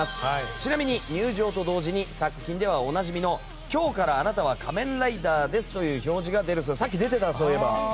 ちなみに入場と同時に作品ではおなじみの今日からあなたは仮面ライダーですという表示がさっき出てたね、そういえば。